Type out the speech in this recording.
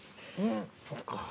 そっか。